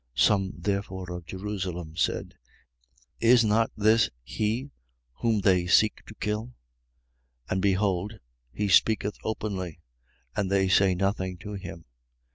7:25. Some therefore of Jerusalem said: Is not this he whom they seek to kill? 7:26. And behold, he speaketh openly: and they say nothing to him.